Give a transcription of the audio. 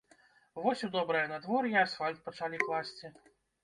Вось у добрае надвор'е асфальт пачалі класці.